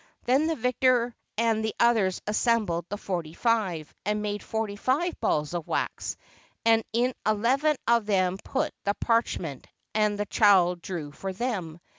Then the vicar and the others assembled the forty five, and made forty five balls of wax, and in eleven of them put the parch ment; and the child drew for them.